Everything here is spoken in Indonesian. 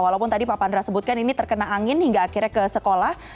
walaupun tadi pak pandra sebutkan ini terkena angin hingga akhirnya ke sekolah